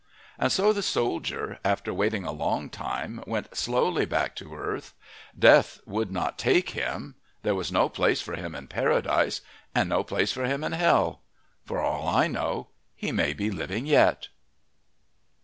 And so the soldier, after waiting a long time, went slowly back to earth. Death would not take him. There was no place for him in Paradise and no place for him in Hell. For all I know he may be living yet.